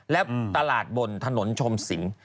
และตลาดบนถนนชมศิลป์